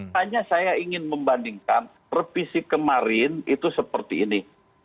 hanya saya ingin membandingkan revisi kemarin itu seperti ini